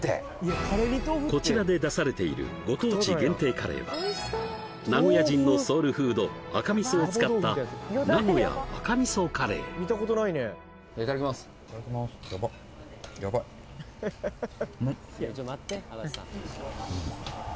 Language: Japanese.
こちらで出されているご当地限定カレーは名古屋人のソウルフード赤味噌を使った名古屋赤みそカレーいただきますハハハ！